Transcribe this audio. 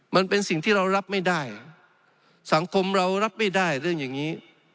มันเป็นสิ่งที่เรารับไม่ได้สังคมเรารับไม่ได้เรื่องอย่างนี้